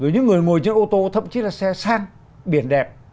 những người ngồi trước ô tô thậm chí là xe sang biển đẹp